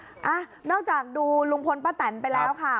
อ่ะนอกจากดูลุงพลป้าแตนไปแล้วค่ะ